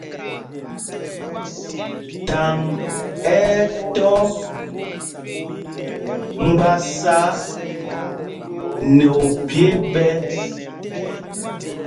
Thaŋ ɛ́ ɛ́ tɔ́ mgbásá nɛ ophyē ɓɛ̄.